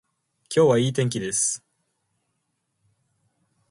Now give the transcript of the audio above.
今日は良い天気です